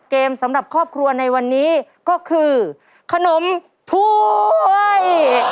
สำหรับครอบครัวในวันนี้ก็คือขนมถ้วย